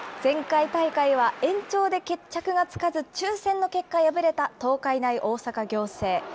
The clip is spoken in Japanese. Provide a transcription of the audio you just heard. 前回大会は延長で決着がつかず、抽せんの結果、敗れた東海大大阪仰星。